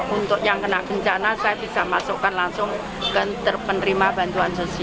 untuk yang kena bencana saya bisa masukkan langsung ke penerima bantuan sosial